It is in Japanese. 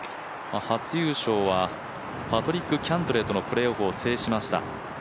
初優勝はパトリック・キャントレーとの勝負を制しました。